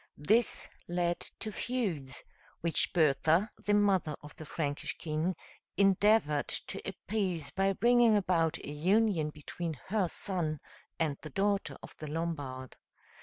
This led to feuds, which Bertha, the mother of the Frankish king, endeavored to appease by bringing about a union between her son and the daughter of the Lombard.